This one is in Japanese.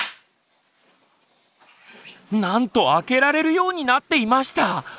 なんと開けられるようになっていました！